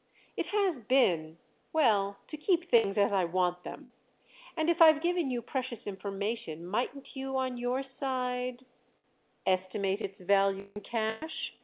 "It has been—well, to keep things as I want them; and if I've given you precious information mightn't you on your side—" "Estimate its value in cash?"